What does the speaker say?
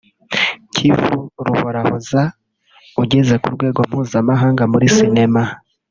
Kivu Ruhorahoza [ugeze ku rwego mpuzamahanga muri sinema]